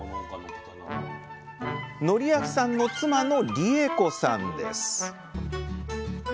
訓章さんの妻の理恵子さんです